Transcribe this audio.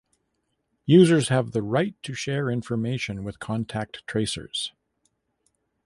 Users have the right to share information with contact tracers.